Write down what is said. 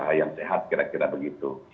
jadi itu yang sehat kira kira begitu